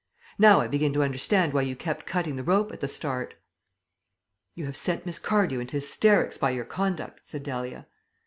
Now I begin to understand why you kept cutting the rope at the start." "You have sent Miss Cardew into hysterics by your conduct," said Dahlia.